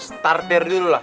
starter dulu lah